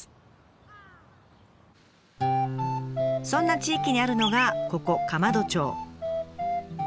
そんな地域にあるのがここ釜戸町。